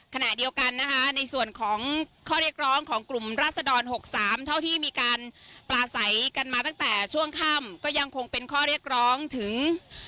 ขณะเดียวกันนะคะในส่วนของข้อเรียกร้องของกลุ่มราศดร๖๓เท่าที่มีการปลาใสกันมาตั้งแต่ช่วงค่ำก็ยังคงเป็นข้อเรียกร้องถึง